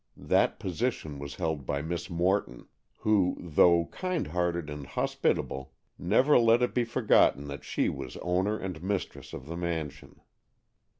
That position was held by Miss Morton, who, though kind hearted and hospitable, never let it be forgotten that she was owner and mistress of the mansion.